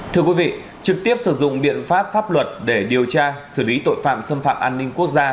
thưa quý vị trực tiếp sử dụng biện pháp pháp luật để điều tra xử lý tội phạm xâm phạm an ninh quốc gia